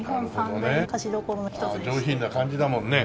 上品な感じだもんね。